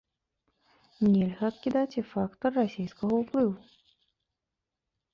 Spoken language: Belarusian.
Нельга адкідаць і фактар расійскага ўплыву.